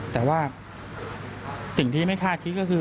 แต่ว่าสิ่งที่ไม่คาดคิดก็คือ